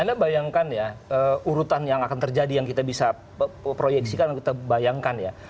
anda bayangkan ya urutan yang akan terjadi yang kita bisa proyeksikan atau kita bayangkan ya